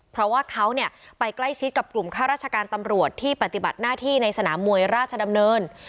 เพราะว่าเขาเนี่ยไปใกล้ชิดกับกลุ่มข้าราชการตำรวจที่ปฏิบัติหน้าที่ในสนามมวยราชดำเนิน